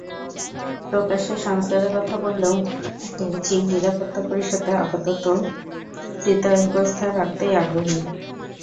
প্রকাশ্যে সংস্কারের কথা বললেও মূলত চীন নিরাপত্তা পরিষদে আপাতত স্থিতাবস্থা রাখতেই আগ্রহী।